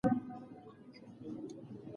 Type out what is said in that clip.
د ټولنیزو اصولو بدلون تعقیب کړه.